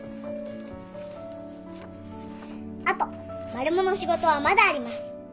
「あとマルモの仕事はまだあります」